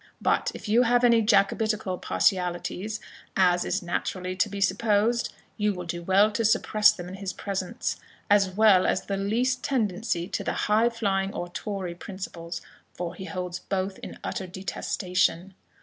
But if you have any Jacobitical partialities, as is naturally to be supposed, you will do well to suppress them in his presence, as well as the least tendency to the highflying or Tory principles; for he holds both in utter detestation.